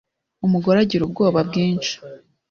Umugore agira ubwoba bwinshi